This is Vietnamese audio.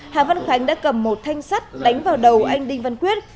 hà văn khánh đã cầm một thanh sắt đánh vào đầu anh đinh văn quyết